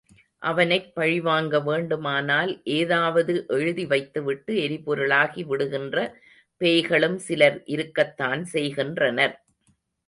அவனைப் பழிவாங்க வேண்டுமானால் ஏதாவது எழுதி வைத்துவிட்டு எரிபொருளாகிவிடுகின்ற பேய்களும் சிலர் இருக்கத்தான் செய்கின்றனர்.